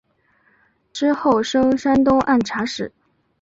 之后升山东按察使。